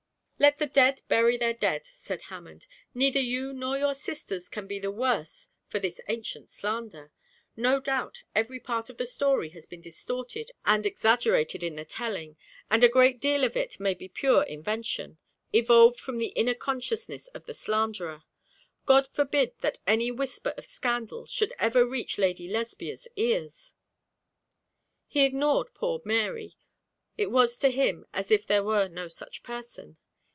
'Let the dead bury their dead,' said Hammond. 'Neither you nor your sisters can be the worse for this ancient slander. No doubt every part of the story has been distorted and exaggerated in the telling; and a great deal of it may be pure invention, evolved from the inner consciousness of the slanderer. God forbid that any whisper of scandal should ever reach Lady Lesbia's ears.' He ignored poor Mary. It was to him as if there were no such person.